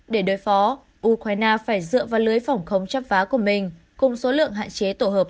để đối phó ukraine phải dựa vào lưới phòng không chấp phá của mình cùng số lượng hạn chế tổ hợp